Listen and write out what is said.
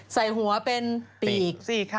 ใส่หัวเป็นปีก